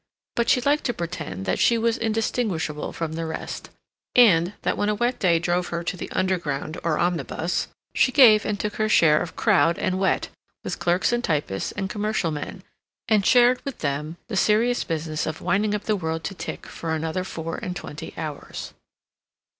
But she liked to pretend that she was indistinguishable from the rest, and that when a wet day drove her to the Underground or omnibus, she gave and took her share of crowd and wet with clerks and typists and commercial men, and shared with them the serious business of winding up the world to tick for another four and twenty hours.